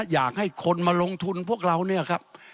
อยากให้คนมาลงทุนพวกเราเนี่ยครับ